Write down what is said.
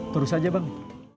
terus aja bang